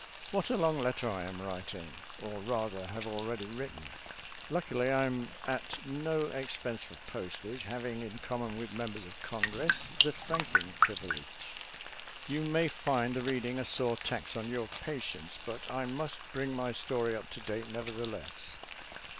What a long letter I am writing — or rather have already written! Luckily I am at no ex pense for postage, having, in common with mem bers of V Congress, the franking privilege. You may find the reading a sore tax on your patience, but I must bring my story up to date, neverthe less.